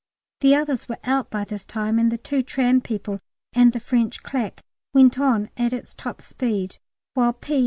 The others were out by this time and the two tram people, and the French clack went on at its top speed, while P.